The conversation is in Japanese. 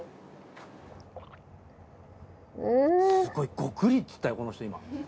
すごいゴクリっていったよこの人今。